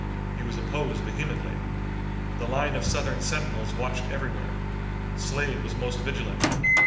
He was opposed vehemently. The line of Southern sentinels watched everywhere. Slade was most vigilant.